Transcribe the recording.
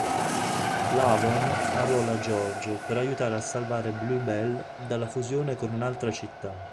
Lavon arruola George per aiutare a salvare BlueBell dalla fusione con un'altra città.